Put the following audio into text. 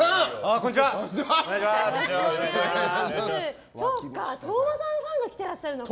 こんにちは。